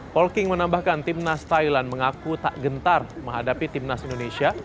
polking menambahkan tim nas thailand mengaku tak gentar menghadapi tim nas indonesia